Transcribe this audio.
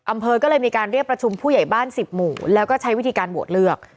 อำเภอก็เลยมีการเรียกประชุมผู้ใหญ่บ้าน๑๐หมู่แล้วก็ใช้วิธีการโหวตเลือก